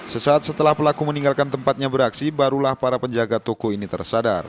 sesaat setelah pelaku meninggalkan tempatnya beraksi barulah para penjaga toko ini tersadar